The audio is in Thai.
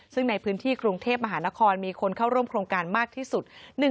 ซึ่งในพื้นที่กรุงเทพมหานครมีคนเข้าร่วมโครงการมากที่สุด